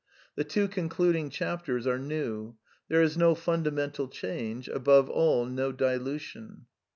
The two concluding chapters are new. There is no fundamental change: above all, no dilution.